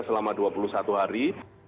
selama dua puluh satu hari